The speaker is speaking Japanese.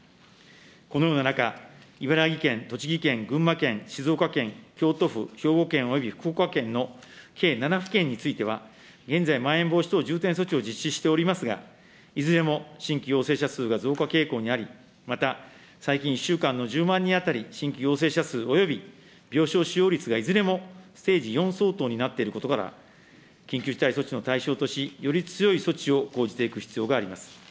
このような中、茨城県、栃木県、群馬県、静岡県、京都府、兵庫県および福岡県の計７府県については、現在、まん延防止等重点措置を実施しておりますが、いずれも新規陽性者数が増加傾向にあり、また最近１週間の１０万人当たり新規陽性者数および病床使用率がいずれもステージ４相当になっていることから、緊急事態措置の対象とし、より強い措置を講じていく必要があります。